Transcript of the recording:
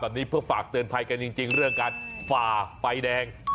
แบบนี้เพื่อฝากเตือนภัยกันจริงเรื่องการฝ่าไฟแดง